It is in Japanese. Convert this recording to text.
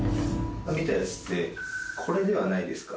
見たやつってこれではないですか？